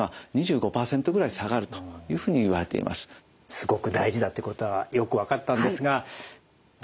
すごく大事だってことはよく分かったんですがじゃ